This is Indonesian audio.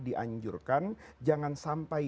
dianjurkan jangan sampai